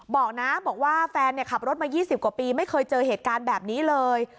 บอกนะบอกว่าแฟนขับรถมา๒๐กว่าปีไม่เคยเจอเหตุการณ์แบบนี้เลย